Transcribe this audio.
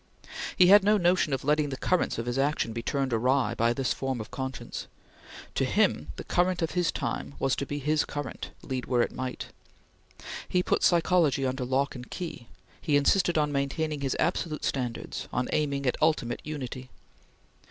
He had no notion of letting the currents of his action be turned awry by this form of conscience. To him, the current of his time was to be his current, lead where it might. He put psychology under lock and key; he insisted on maintaining his absolute standards; on aiming at ultimate Unity.